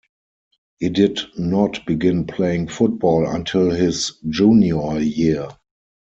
He did not begin playing football until his junior year.